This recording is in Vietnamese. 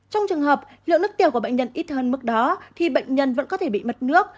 trong trường hợp lượng nước tiểu của bệnh nhân ít hơn mức đó thì bệnh nhân vẫn có thể bị mất nước